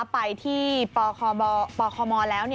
ไปที่ปคมแล้ว